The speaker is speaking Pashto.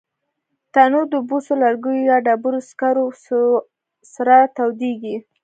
تنور د بوسو، لرګیو یا ډبرو سکرو سره تودېږي